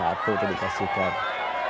yang tadi itu bukan dibawa